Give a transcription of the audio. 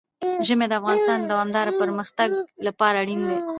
ژمی د افغانستان د دوامداره پرمختګ لپاره اړین دي.